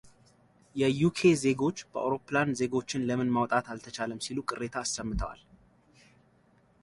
የዩኬ ዜጎች በአውሮፕላን ዜጎችን ለምን ማውጣት አልተቻለም ሲሉ ቅሬታ አሰምተዋል።